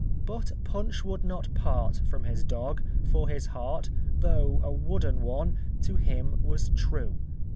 But Punch would not part From his dog, for his heart (Though a wooden one) to him was true.